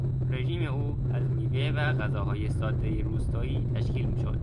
رژیم او از میوه و غذاهای سادهی روستایی تشکیل میشد.